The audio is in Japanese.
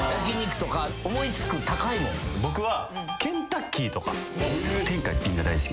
僕は。